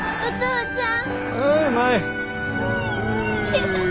お父ちゃん。